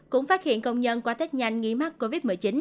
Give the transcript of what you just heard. cũng phát hiện công nhân qua tết nhanh nghi mắc covid một mươi chín